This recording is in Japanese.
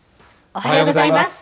おはようございます。